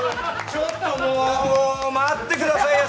ちょっともう待ってくださいよ